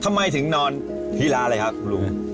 ทำไมถึงนอนที่ร้านเลยครับคุณลุง